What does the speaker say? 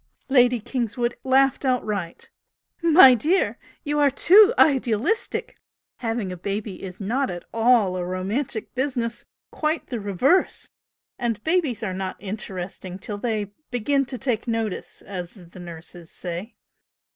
Lady Kingswood laughed outright. "My dear girl, you are too idealistic! Having a baby is not at all a romantic business! quite the reverse! And babies are not interesting till they 'begin to take notice' as the nurses say.